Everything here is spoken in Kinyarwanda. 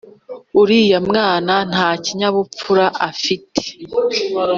uriya mwana ntakinyapfura afite